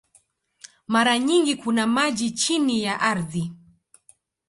Mara nyingi kuna maji chini ya ardhi.